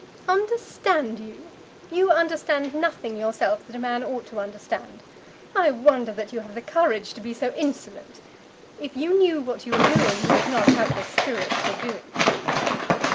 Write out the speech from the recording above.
"Understand you! You understand nothing yourself that a man ought to understand. I wonder that you have the courage to be so insolent. If you knew what you were doing, you would not have the spirit to do it."